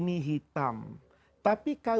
maka kita bisa berpikir